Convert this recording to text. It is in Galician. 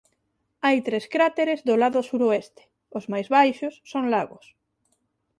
Hai tres cráteres do lado suroeste; os máis baixos son lagos.